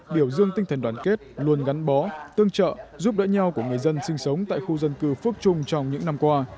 biểu dương tinh thần đoàn kết luôn gắn bó tương trợ giúp đỡ nhau của người dân sinh sống tại khu dân cư phước trung trong những năm qua